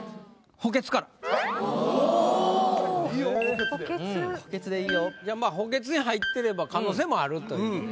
補欠に入ってれば可能性もあると。